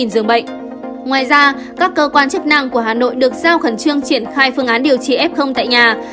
ngoài ra các cơ quan chức năng của hà nội được giao khẩn trương triển khai phương án điều trị f tại nhà